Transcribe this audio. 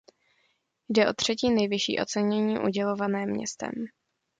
Jde o třetí nejvyšší ocenění udělované městem.